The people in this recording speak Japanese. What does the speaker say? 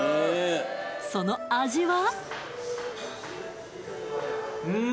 その味は？